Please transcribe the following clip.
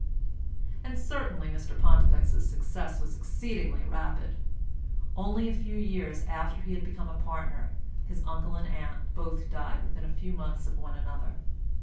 And certainly Mr Pontifex's success was exceedingly rapid. Only a few years after he had become a partner his uncle and aunt both died within a few months of one another.